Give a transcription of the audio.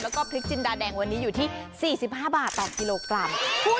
แล้วก็พริกจินดาแดงวันนี้อยู่ที่๔๕บาทต่อกิโลกรัม